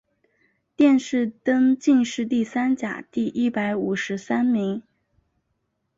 殿试登进士第三甲第一百五十三名。